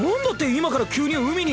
今から急に海に？